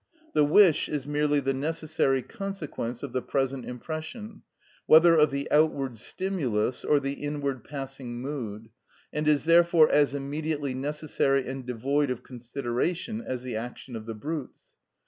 The wish is merely the necessary consequence of the present impression, whether of the outward stimulus, or the inward passing mood; and is therefore as immediately necessary and devoid of consideration as the action of the brutes.